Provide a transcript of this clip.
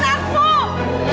jangan buka anakmu